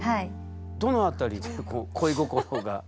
どの辺りで恋心が？